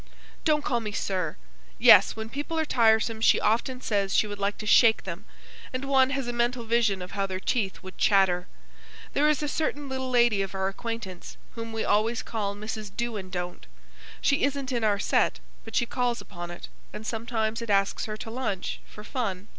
"Don't call me 'sir'! Yes; when people are tiresome she often says she would like to shake them; and one has a mental vision of how their teeth would chatter. There is a certain little lady of our acquaintance whom we always call 'Mrs. Do and don't.' She isn't in our set; but she calls upon it; and sometimes it asks her to lunch, for fun.